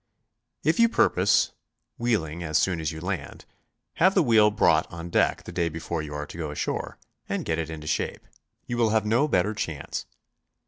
If you purpose wheeling as soon as you land, have the wheel brought on deck the day before you are to go asihore, and get it into shape. You will have no better chance.